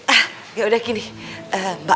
ah yaudah gini mbak